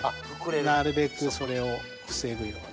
なるべくそれを防ぐように。